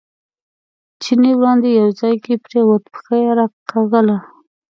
چیني وړاندې یو ځای کې پرېوت، پښه یې راکاږله.